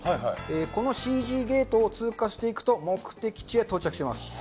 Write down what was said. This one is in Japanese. このＣＧゲートを通過していくと、目的地へ到着します。